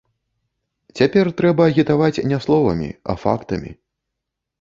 Цяпер трэба агітаваць не словамі, а фактамі.